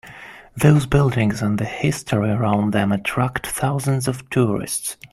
Those buildings and the history around them attract thousands of tourists.